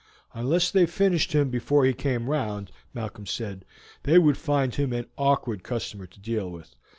"Unless they finished him before he came round," Malcolm said, "they would find him an awkward customer to deal with.